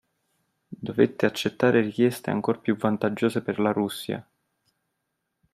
Dovette accettare richieste ancor più vantaggiose per la Russia.